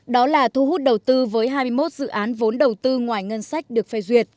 đó là thu hút đầu tư với hai mươi một dự án vốn đầu tư ngoài ngân sách được phê duyệt